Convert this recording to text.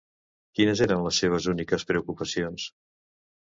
Quines eren les seves úniques preocupacions?